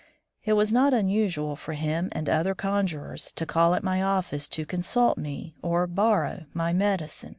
It was not unusual for him and other conjurers to call at my office to consult me, or "borrow" my medicine.